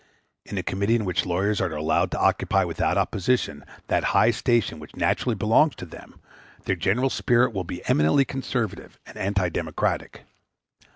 In a community in which lawyers are allowed to occupy, without opposition, that high station which naturally belongs to them, their general spirit will be eminently conservative and anti democratic.